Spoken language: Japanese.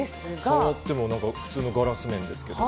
触っても普通のガラス面です